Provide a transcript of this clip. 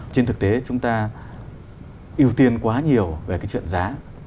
trên thực tế chúng ta ưu tiên quá nhiều về cái chuyện giá